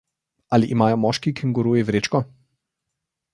Ali imajo moški kenguruji vrečko?